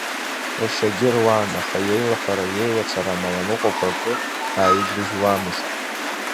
Ршьагьы руан, аха иеилаҳәара, иеилацара, амаланыҟәақәа акы ааигрыжьуамызт.